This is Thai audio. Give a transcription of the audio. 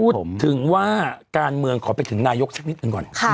พูดถึงว่าการเมืองขอไปถึงนายกสักนิดหนึ่งก่อน